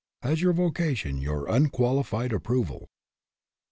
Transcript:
HAS YOUR VOCATION YOUR UN QUALIFIED APPROVAL?